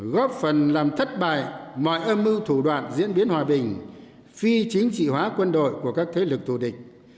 góp phần làm thất bại mọi âm mưu thủ đoạn diễn biến hòa bình phi chính trị hóa quân đội của các thế lực thù địch